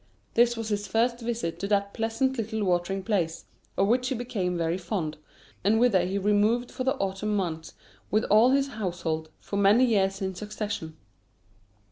This was his first visit to that pleasant little watering place, of which he became very fond, and whither he removed for the autumn months with all his household, for many years in succession.